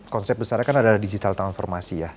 konsep besar kan adalah digital transformation ya